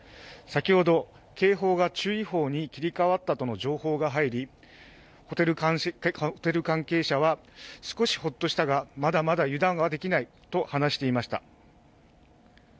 先ほど警報が注意報に切り替わったとの情報が入りホテル関係者は少しホッとしたがまだまだ油断はできないと話していました。